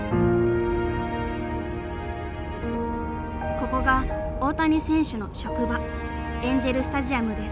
ここが大谷選手の職場エンジェルスタジアムです。